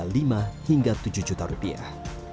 lima hingga tujuh juta rupiah